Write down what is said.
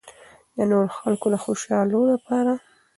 د نورو خلکو د خوشالو د پاره